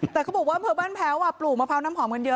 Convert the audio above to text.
แต่เขาบอกว่าพวกผมเบี้ยบปลูกมะพร้อน้ำหอมเยอะ